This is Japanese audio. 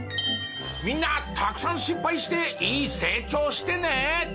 みんなたくさん失敗していい成長してね！